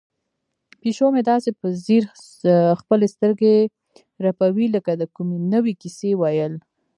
پیشو مې داسې په ځیر خپلې سترګې رپوي لکه د کومې نوې کیسې ویل.